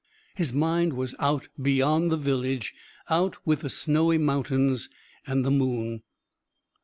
His mind was out beyond the village out with the snowy mountains and the moon.